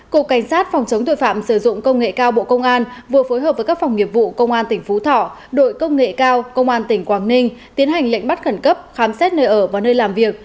cục cảnh sát phòng chống tội phạm sử dụng công nghệ cao bộ công an vừa phối hợp với các phòng nghiệp vụ công an tỉnh phú thọ đội công nghệ cao công an tỉnh quảng ninh tiến hành lệnh bắt khẩn cấp khám xét nơi ở và nơi làm việc